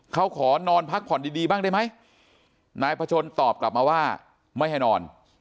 เขาขอนอนพักผ่อนดีดีบ้างได้ไหมนายพชนตอบกลับมาว่าไม่ให้นอน